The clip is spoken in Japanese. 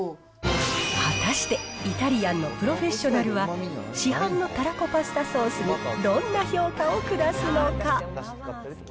果たして、イタリアンのプロフェッショナルは、市販のたらこパスタソースにどんな評価を下すのか？